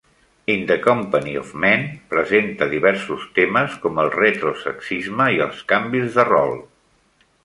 "In the Company of Men" presenta diversos temes com el retrosexisme i els canvis de rol.